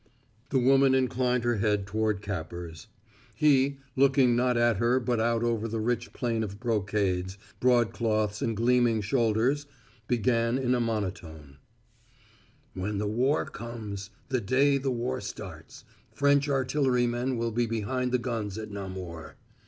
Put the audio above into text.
The woman inclined her head toward Capper's. He, looking not at her but out over the rich plain of brocades, broadcloths and gleaming shoulders, began in a monotone: "When the war comes the day the war starts, French artillerymen will be behind the guns at Namur.